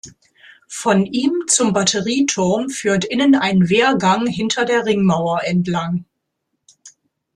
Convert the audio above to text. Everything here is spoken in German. Von ihm zum Batterieturm führt innen ein Wehrgang hinter der Ringmauer entlang.